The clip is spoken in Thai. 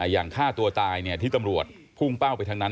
อย่างฆ่าตัวตายที่ตำรวจพุ่งเป้าไปทั้งนั้น